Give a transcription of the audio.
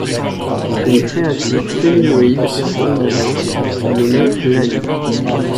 une créature féminoïde à pomme d'Adam nommée Laly.